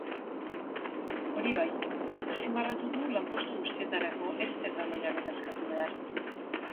Hori bai, azpimarratu du lanpostu guztietarako ez dela maila bera eskatu behar.